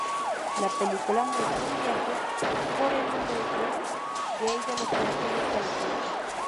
La película muestra un viaje por el underground gay de Los Ángeles, California.